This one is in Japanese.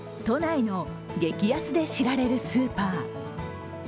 都内の激安で知られるスーパー。